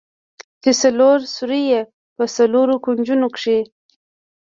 چې څلور سوري يې په څلورو کونجونو کښې.